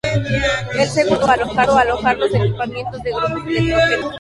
El segundo destinado a alojar los equipamientos de grupos electrógenos.